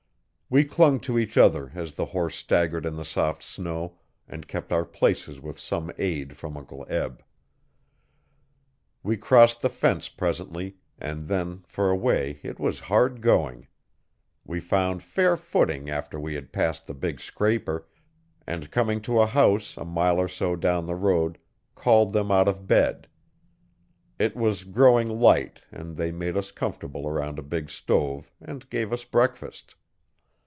We clung to each other as the horse staggered in the soft snow, and kept our places with some aid from Uncle Eb. We crossed the fence presently, and then for a way it was hard going. We found fair footing after we had passed the big scraper, and, coming to a house a mile or so down the road called them out of bed. It was growing light and they made us comfortable around a big stove, and gave us breakfast.